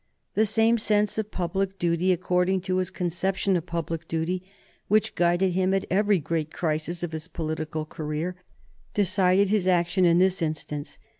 The same sense of public duty, according to his conception of public duty, which guided him at every great crisis of his political career decided his action in this instance.